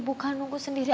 bukan aku sendiri